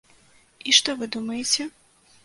І што вы думаеце?